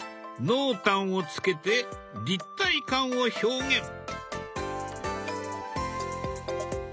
濃淡をつけて立体感を表現。